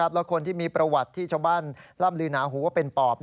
และคนที่มีประวัติที่ชาวบ้านล่ำลือหนาหูว่าเป็นปอบ